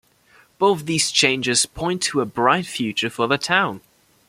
Both these changes point to a bright future for the town.